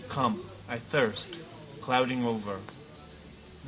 Come. I thirst. Clouding over.